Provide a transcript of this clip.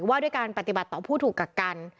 ว่าด้วยการปฏิบัติต่อผู้ถูกกักกัน